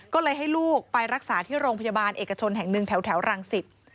ก็เลยให้ลูกไปรักษาที่โรงพยาบาลเอกชนแห่งหนึ่งแถวรังสิต